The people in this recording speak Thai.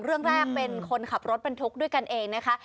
เรื่องแรกเป็นคนขับรถบรรทุกด้วยกันเองนะคะ